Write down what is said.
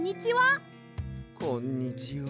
こんにちは。